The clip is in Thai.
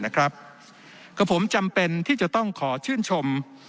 ก็ผมจำเป็นที่จะต้องขอชื่นชม